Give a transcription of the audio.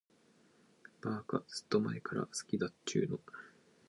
ばーか、ずーっと前から好きだっちゅーの。